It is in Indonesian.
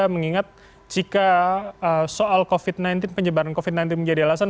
mengingat jika soal covid sembilan belas penyebaran covid sembilan belas menjadi alasan